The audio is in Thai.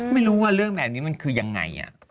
ไม่รู้ว่าเรื่องแบบนี้มันคือยังไง